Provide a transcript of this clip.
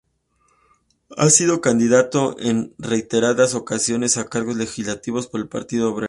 Ha sido candidato, en reiteradas ocasiones, a cargos legislativos por el Partido Obrero.